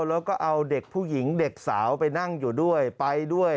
แล้วก็เอาเด็กผู้หญิงเด็กสาวไปนั่งอยู่ด้วยไปด้วย